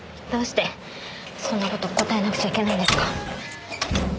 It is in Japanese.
どうしてそんな事答えなくちゃいけないんですか？